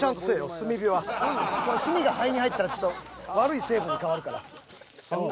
それおいこれ炭が肺に入ったらちょっと悪い成分に変わるから。